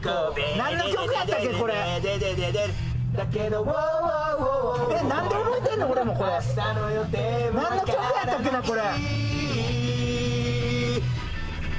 何の曲やったっけな、これ。